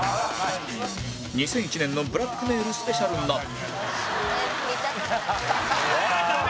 ２００１年のブラックメールスペシャルなど